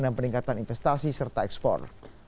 dan peningkatan investasi serta ekspor